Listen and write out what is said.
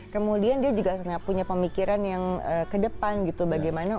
kemudian dia juga pernah punya pemikiran yang ke depan gitu bagaimana